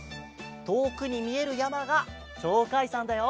とおくにみえるやまが「ちょうかいさん」だよ。